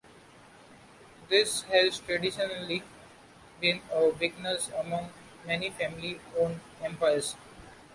This has traditionally been a weakness among many family-owned empires.